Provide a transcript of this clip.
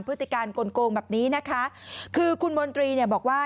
พฤติการกลงโกงแบบนี้นะคะคือคุณมนตรีเนี่ยบอกว่า